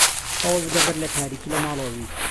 هەوڵ بدە بەر لە تاریکی لە ماڵەوە بیت.